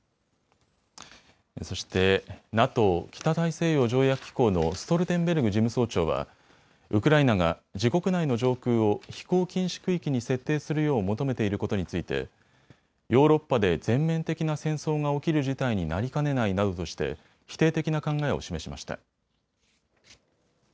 そしてＮＡＴＯ・北大西洋条約機構のストルテンベルグ事務総長はウクライナが自国内の上空を飛行禁止区域に設定するよう求めていることについてヨーロッパで全面的な戦争が起きる事態になりかねないなどとして否定的な考えを示しました。